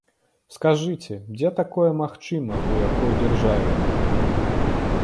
Скажыце, дзе такое магчыма, у якой дзяржаве?